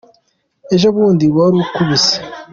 Ejobundi wari unkubise.